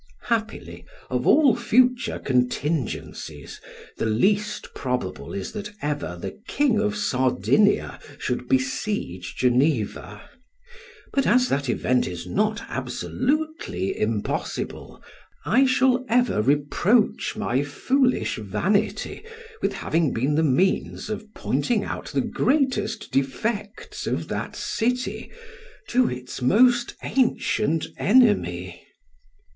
Happily, of all future contingencies, the least probable, is, that ever the King of Sardina should besiege Geneva, but as that event is not absolutely impossible, I shall ever reproach my foolish vanity with having been the means of pointing out the greatest defects of that city to its most ancient enemy.